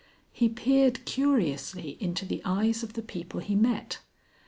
He peered curiously into the eyes of the people he met.